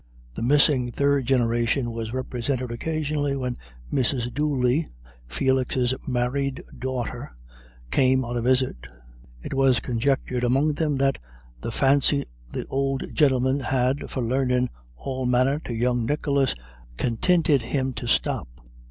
The missing third generation was represented occasionally when Mrs. Dooley, Felix's married daughter, came on a visit. It was conjectured among them that "the fancy the ould gintleman had for larnin' all manner to young Nicholas continted him to stop."